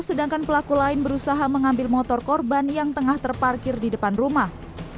sedangkan pelaku lain berusaha mengambil motor korban yang tengah terparkir di depan rumah